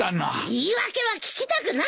言い訳は聞きたくないよ！